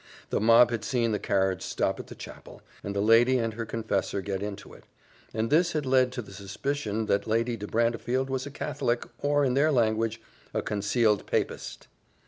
The mob had seen the carriage stop at the chapel, and the lady and her confessor get into it; and this had led to the suspicion that Lady de Brantefield was a catholic, or in their language, a concealed papist.